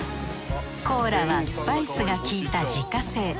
コーラはスパイスがきいた自家製。